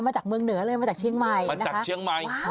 มาจากเมืองเหนือเลยมาจากเชียงใหม่มาจากเชียงใหม่